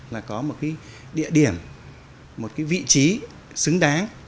là có một địa điểm một vị trí xứng đáng